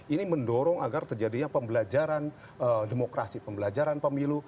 ini mendorong agar terjadinya pembelajaran demokrasi pembelajaran pemilu